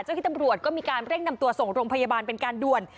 ที่ตำรวจก็มีการเร่งนำตัวส่งโรงพยาบาลเป็นการด่วน